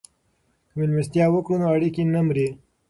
که مېلمستیا وکړو نو اړیکې نه مري.